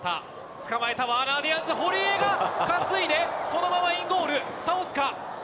つかまえた、ワーナー・ディアンズ、堀江が、担いで、そのままインゴール、倒すか。